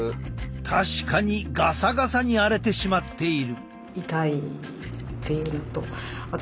確かにガサガサに荒れてしまっている。